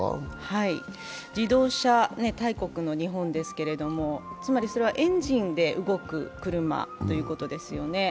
はい、自動車大国の日本ですけれどもつまりそれはエンジンで動く車ということですよね。